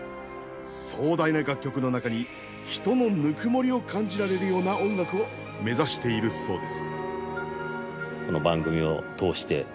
壮大な楽曲の中に人のぬくもりを感じられるような音楽を目指しているそうです。